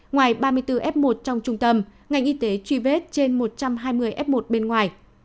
ngoài ba mươi bốn f một trong trung tâm ngành y tế truy vết trên một trăm hai mươi f một bên ngoài